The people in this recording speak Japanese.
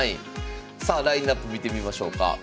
さあラインナップ見てみましょうか。